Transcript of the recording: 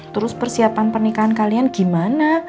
terus persiapan pernikahan kalian gimana